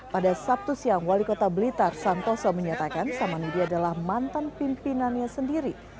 pada sabtu siang wali kota blitar santoso menyatakan samanudi adalah mantan pimpinannya sendiri